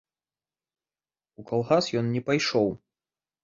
У калгас ён не пайшоў.